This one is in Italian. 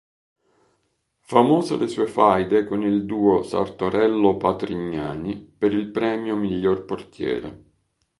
Famose le sue faide con il duo Sartorello-Patrignani per il premio miglior portiere.